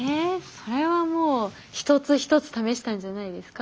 それはもう一つ一つ試したんじゃないですか？